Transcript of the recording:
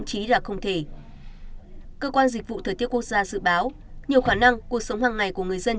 cơ quan dịch vụ thời tiết quốc gia dự báo nhiều khả năng cuộc sống hàng ngày của người dân